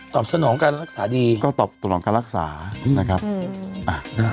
สนองการรักษาดีก็ตอบสนองการรักษานะครับอืมอ่า